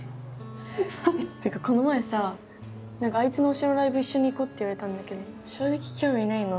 てかこの前さなんかあいつの推しのライブ一緒に行こうって言われたんだけど正直興味ないの。